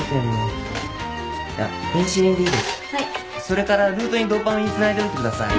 それからルートにドーパミンつないでおいてください。